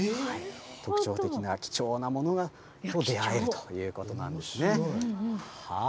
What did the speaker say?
特徴的な貴重なものと出会えるということなんですね。